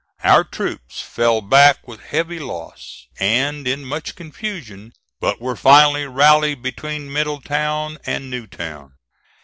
Our troops fell back with heavy loss and in much confusion, but were finally rallied between Middletown and Newtown.